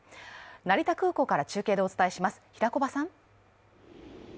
成田空港から中継でお伝えします。